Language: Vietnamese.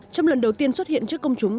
trong lần đầu tiên xuất hiện trước công chúng